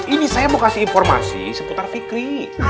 ini saya mau kasih informasi seputar fikri